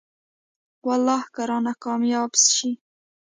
والله که رانه کاميابه شې.